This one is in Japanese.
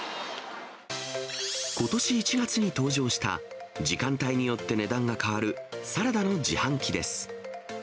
ことし１月に登場した、時間帯によって値段が変わるサラダの自販機です。